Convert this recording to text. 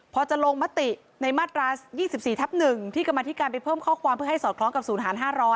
พอจะลงมติในมาตรา๒๔ทับ๑ที่กรรมธิการไปเพิ่มข้อความเพื่อให้สอดคล้องกับศูนย์หาร๕๐๐